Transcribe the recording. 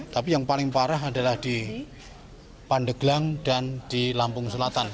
tapi yang paling parah adalah di pandeglang dan di lampung selatan